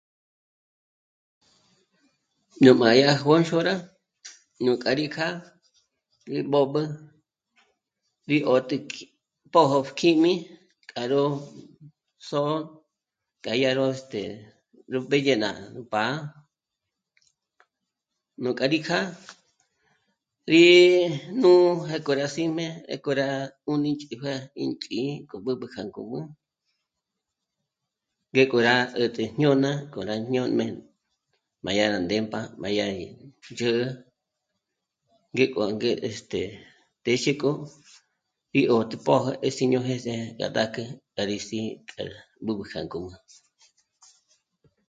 Nú má dyá jônxorá nú k'a rí kjâ'a ngí mbób'ü, rí 'ö́tji k'i pójo kjíjmi k'a ró sò'o k'a dyá ró este... nú mbédye ná pá'a, núkja rí kjâ'a rí jnú'u pjéko rá sí'm'e, pjéko rá 'ùnich'ijue ínch'í'i k'o b'ǚb'ü k'a ngǔm'ü, ngéko rá ts'ë́t'e jñôna k'o rá jñómbe má dyá rá ndémp'a má dyá rá gí ndzhǜ'ü ngíko ange... este... téxe k'o í 'ö́jtü pójo sîño jés'e rá ndákü k'a rí sí'i kje b'ǚb'ü kja ngǔm'ü